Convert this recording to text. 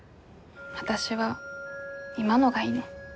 私は今のがいいの。